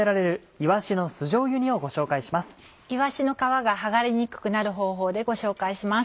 いわしの皮が剥がれにくくなる方法でご紹介します。